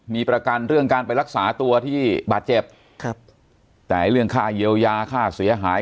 มีประกันเรื่องการไปรักษาตัวที่บาดเจ็บครับแต่เรื่องค่าเยียวยาค่าเสียหาย